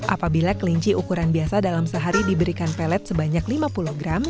apabila kelinci ukuran biasa dalam sehari diberikan pelet sebanyak lima puluh gram